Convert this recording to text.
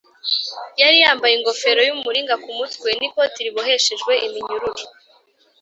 Yari yambaye ingofero y’umuringa ku mutwe n’ikoti riboheshejwe iminyururu